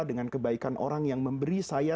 dengan kebaikan orang yang memberi saya